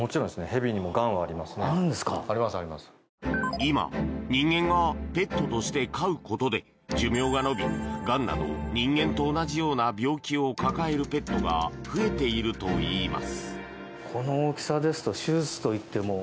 今、人間がペットとして飼うことで寿命が延びがんなど、人間と同じような病気を抱えるペットが増えているといいます。